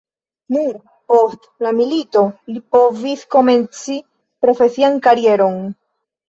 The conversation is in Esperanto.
Nur post la milito li povis komenci profesian karieron.